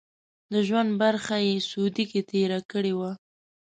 د ژوند برخه یې سعودي کې تېره کړې وه.